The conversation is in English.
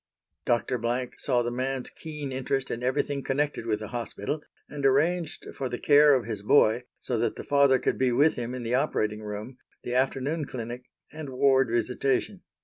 Dr. Blank saw the man's keen interest in everything connected with the Hospital, and arranged for the care of his boy so that the father could be with him in the operating room, the afternoon clinic, and ward visitation.